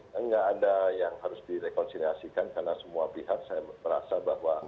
saya rasa ini nggak ada yang harus direkonsiliasikan karena semua pihak saya merasa bahwa